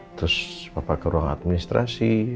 terus bapak ke ruang administrasi